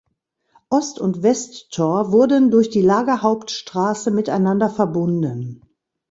Ost- und Westtor wurden durch die Lagerhauptstraße miteinander verbunden.